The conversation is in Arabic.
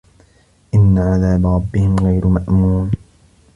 إِنَّ عَذابَ رَبِّهِم غَيرُ مَأمونٍ